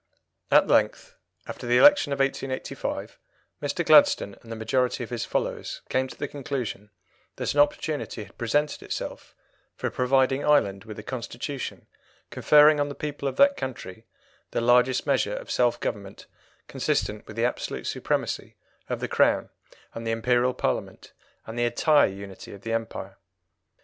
" At length, after the election of 1885, Mr. Gladstone and the majority of his followers came to the conclusion that an opportunity had presented itself for providing Ireland with a Constitution conferring on the people of that country the largest measure of self government consistent with the absolute supremacy of the Crown and the Imperial Parliament and the entire unity of the Empire.